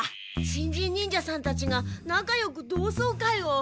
新人忍者さんたちがなかよく同窓会を。